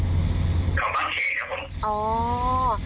แถวบางเคครับผม